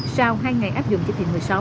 sau hai ngày áp dụng chức hình một mươi sáu